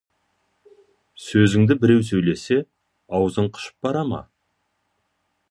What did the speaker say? Сөзіңді біреу сөйлесе, аузың қышып бара ма.